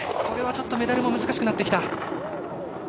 これはちょっとメダルも難しくなってきた。